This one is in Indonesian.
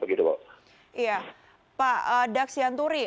iya pak daksianturi